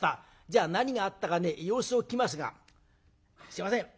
じゃ何があったかね様子を聞きますがすいません